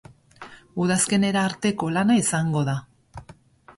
Udazkenera arteko lana izango da.